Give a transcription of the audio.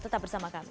tetap bersama kami